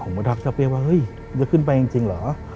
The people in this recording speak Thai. ผมมาทักเจ้าเป้ว่าเฮ้ยมันจะขึ้นไปจริงหรือ